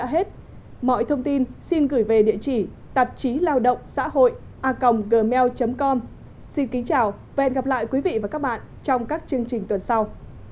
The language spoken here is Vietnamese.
hẹn gặp lại quý vị và các bạn trong các chương trình tuần sau